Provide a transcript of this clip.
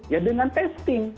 ya dengan testing